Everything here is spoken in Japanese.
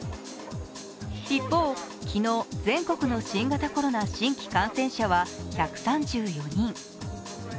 一方、昨日、全国の新型コロナ新規感染者は１３４人。